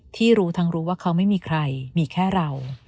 ที่รู้ทั้งรู้ว่าเขาไม่มีใครมีแค่เรา